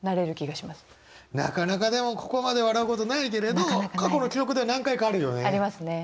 なかなかでもここまで笑うことないけれど過去の記憶では何回かあるよね。ありますね。